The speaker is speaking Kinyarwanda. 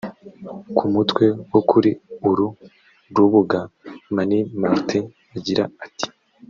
Ku mutwe wo kuri uru rubuga Mani Martin agira ati